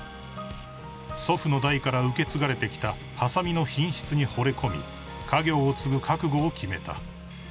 ［祖父の代から受け継がれてきたはさみの品質にほれ込み家業を継ぐ覚悟を決めた］